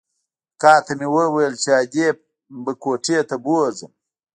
اکا ته مې وويل چې ادې به کوټې ته بوځم.